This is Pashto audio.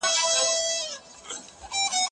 فکر وکړه؟